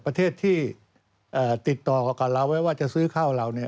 ประเทศที่ติดต่อกับเราไว้ว่าจะซื้อข้าวเราเนี่ย